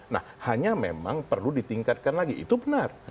nah hanya memang perlu ditingkatkan lagi itu benar